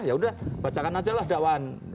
ya udah baca kan aja lah dawan